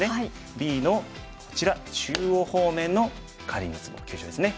Ｂのこちら中央方面のかりんのツボ急所ですね。